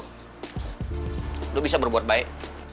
hai lo bisa berbuat baik